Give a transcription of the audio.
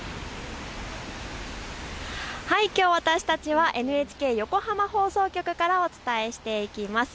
きょう私たちはＮＨＫ横浜放送局からお伝えしていきます。